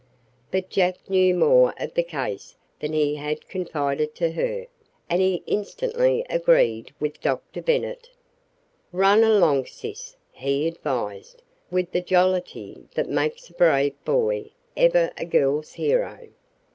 But Jack knew more of the case than he had confided to her, and he instantly agreed with Dr. Bennet. "Run along, sis," he advised, with the jollity that makes a brave boy ever a girl's hero.